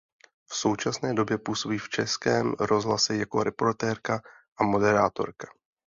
V současné době působí v Českém rozhlase jako reportérka a moderátorka.